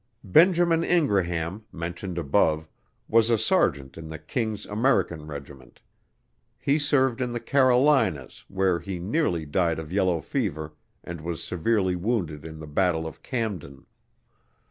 Benjamin Ingraham, mentioned above, was a sergeant in the King's American Regiment; he served in the Carolinas, where he nearly died of yellow fever, and was severely wounded in the battle of Camden.